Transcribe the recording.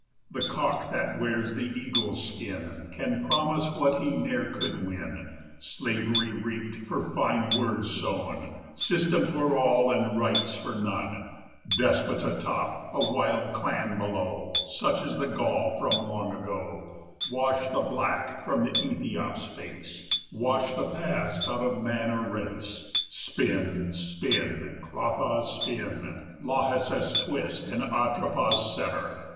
The Cock that wears the Eagle's skin Can promise what he ne'er could win; 50 Slavery reaped for fine words sown, System for all, and rights for none, Despots atop, a wild clan below, Such is the Gaul from long ago; Wash the black from the Ethiop's face, 55 Wash the past out of man or race! Spin, spin, Clotho, spin! Lachesis, twist! and, Atropos, sever!